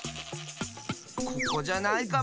ここじゃないかも。